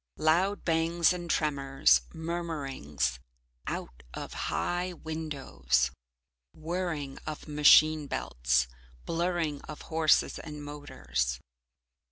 Loud bangs and tremors, murmurings out of high windows, whirring of machine belts, blurring of horses and motors.